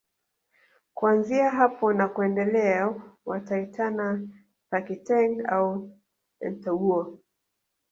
Kuanzia hapo na kuendelea wataitana Pakiteng au Entawuo